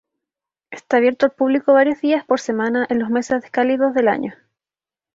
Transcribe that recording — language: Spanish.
Está abierto al público varios días por semana en los meses cálidos del año.